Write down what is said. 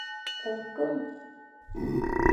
Nkeng!